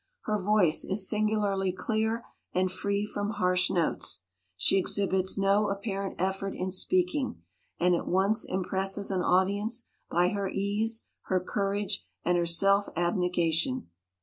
Her voice is singularly clear and free from harsh notes. She exhibits no ap parent effort in speaking, and at once im presses an audience by her ease, her courage, and her self abnegation.